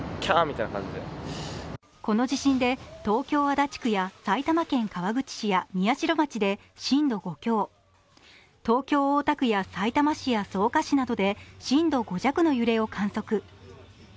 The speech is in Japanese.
この地震で東京・足立区や埼玉県川口市や宮代町で震度５強、東京・大田区やさいたま市や草加市などで震度５弱の揺れを観測。